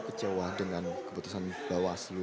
kecewa dengan keputusan bawaslu